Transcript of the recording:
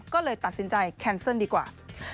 ก็เลยตัดสินใจแคนเซิลดีกว่า